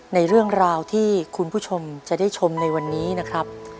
ในเรื่องราวที่คุณผู้ชมจะได้ชมในวันนี้นะครับ